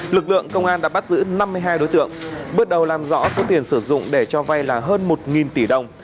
lực lượng công an đã bắt giữ năm mươi hai đối tượng bước đầu làm rõ số tiền sử dụng để cho vay là hơn một tỷ đồng